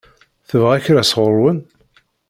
Tebɣa kra sɣur-wen?